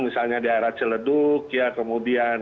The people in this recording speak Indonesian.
misalnya di daerah celeduk kemudian